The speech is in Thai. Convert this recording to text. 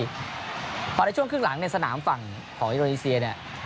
พอในช่วงครึ่งหลังในสนามฝั่งของอินโดนีเซียเนี่ย